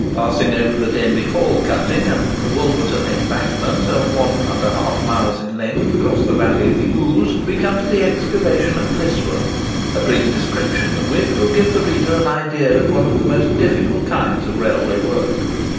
Passing over the Denbigh Hall cutting, and the Wolverton embankment of 1½ mile in length across the valley of the Ouse, we come to the excavation at Blisworth, a brief description of which will give the reader an idea of one of the most difficult kinds of railway work.